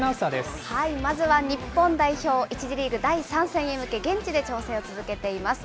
まずは日本代表、１次リーグ第３戦へ向け、現地で調整を続けています。